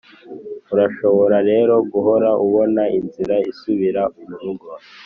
urashobora rero guhora ubona inzira isubira murugo.